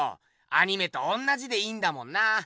アニメとおんなじでいいんだもんな。